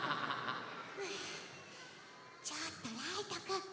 ちょっとライトくん。